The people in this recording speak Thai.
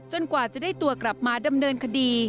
กว่าจะได้ตัวกลับมาดำเนินคดี